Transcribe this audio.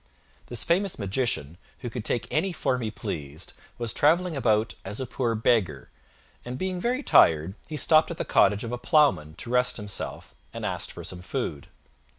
This famous magician, who could take any form he pleased, was travelling about as a poor beggar, and being very tired he stopped at the cottage of a Ploughman to rest himself, and asked for some food.